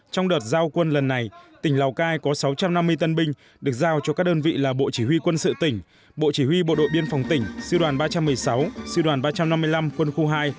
trong đợt giao quân lần này tỉnh lào cai có sáu trăm năm mươi tân binh được giao cho các đơn vị là bộ chỉ huy quân sự tỉnh bộ chỉ huy bộ đội biên phòng tỉnh sư đoàn ba trăm một mươi sáu sư đoàn ba trăm năm mươi năm quân khu hai